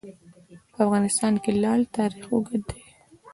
په افغانستان کې د لعل تاریخ اوږد دی.